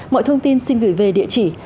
mọi thông tin xin gửi về địa chỉ